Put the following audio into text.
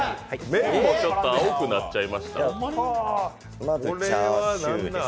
麺もちょっと青くなっちゃいました、これは何だ。